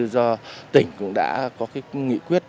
do tỉnh cũng đã có nghị quyết